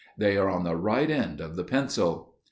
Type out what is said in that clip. They are on the right end of the pencil."